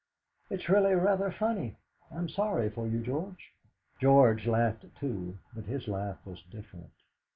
"It's really rather funny. I'm sorry for you, George." George laughed too, but his laugh was different.